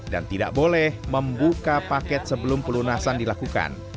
dan tidak boleh membuka paket sebelum pelunasan dilakukan